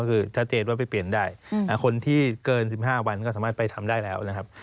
ก็คือชัดเจนว่าไปเปลี่ยนได้คนที่เกิน๑๕วันก็สามารถไปทำได้แล้วนะครับ